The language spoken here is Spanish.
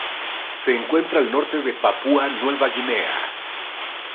Se encuentra al norte de Papúa Nueva Guinea.